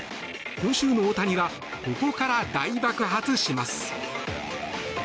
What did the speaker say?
今週の大谷はここから大爆発します。